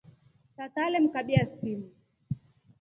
Tata alemkabya simu.